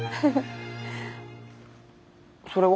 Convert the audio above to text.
それは？